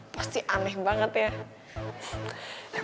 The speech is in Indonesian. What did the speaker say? pasti aneh banget ya